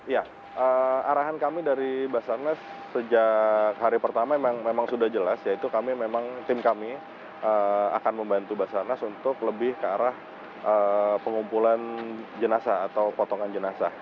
ya arahan kami dari basarnas sejak hari pertama memang sudah jelas yaitu kami memang tim kami akan membantu basarnas untuk lebih ke arah pengumpulan jenazah atau potongan jenazah